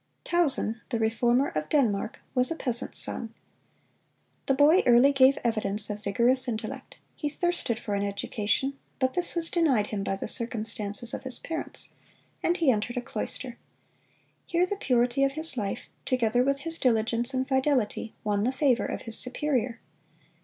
Tausen, "the Reformer of Denmark," was a peasant's son. The boy early gave evidence of vigorous intellect; he thirsted for an education; but this was denied him by the circumstances of his parents, and he entered a cloister. Here the purity of his life, together with his diligence and fidelity, won the favor of his superior.